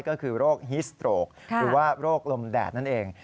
ก็คือโรคฮิสโตรกหรือว่าโรคลมแดดนั่นเอง